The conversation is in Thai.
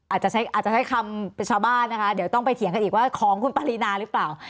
อาจจะใช้คำชาวบ้านนะคะเดี๋ยวต้องไปเถียงกันอีกว่าของคุณปรินาหรือเปล่า